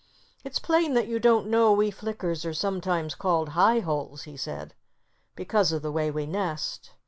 "It's plain that you don't know we Flickers are sometimes called High holes," he said, "because of the way we nest."